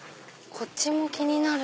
こっちも気になる。